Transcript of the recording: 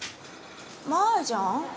マージャン？